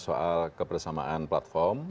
soal keberesamaan platform